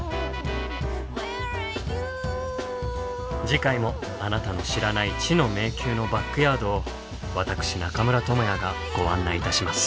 次回もあなたの知らない「知の迷宮」のバックヤードを私中村倫也がご案内いたします。